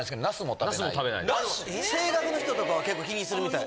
声楽の人とかは結構気にするみたい。